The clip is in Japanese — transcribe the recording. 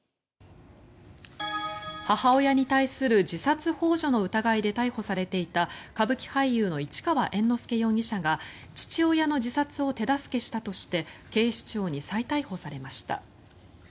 母親に対する自殺ほう助の疑いで逮捕されていた歌舞伎俳優の市川猿之助容疑者が父親の自殺を手助けしたとして警視庁に再逮捕されました。